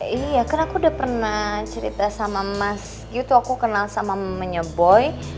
iya kan aku udah pernah cerita sama mas giu tuh aku kenal sama mamanya boy